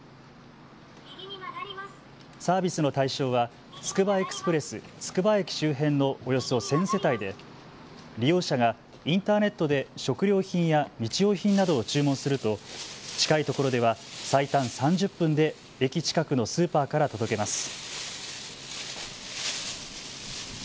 サービスの対象はつくばエクスプレス、つくば駅周辺のおよそ１０００世帯で利用者がインターネットで食料品や日用品などを注文すると近いところでは最短３０分で駅近くのスーパーから届けます。